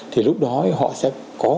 thì lúc đó họ sẽ có